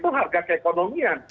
itu harga keekonomian